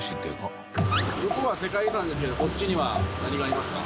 向こうは世界遺産ですけどこっちには何がありますか？